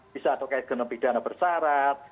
bisa terkait dengan pidana bersarat